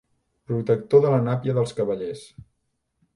Protector de la nàpia dels cavallers.